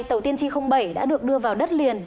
tàu tiên tri bảy đã được đưa vào đất liền